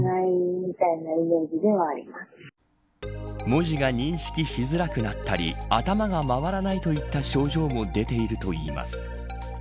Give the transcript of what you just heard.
文字が認識しづらくなったり頭が回らないといった症状も出ているといいます。